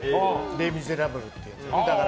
「レ・ミゼラブル」っていう。